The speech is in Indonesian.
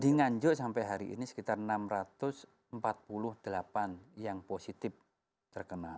di nganjuk sampai hari ini sekitar enam ratus empat puluh delapan yang positif terkena